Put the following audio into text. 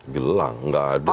gelang enggak ada